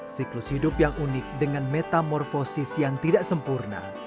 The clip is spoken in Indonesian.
siklus hidup yang unik dengan metamorfosis yang tidak sempurna